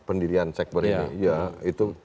pendirian sekber ini ya itu